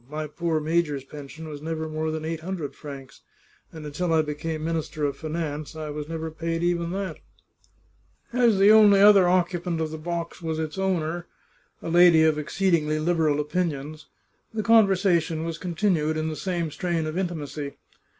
My poor major's pension was never more than eight hundred francs, and until I became Minister of Finance I was never paid even that !" As the only other occupant of the box was its owner, a lady of exceedingly liberal opinions, the conversation was continued in the same strain of intimacy.